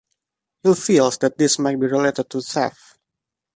Hill feels that this might be related to theft.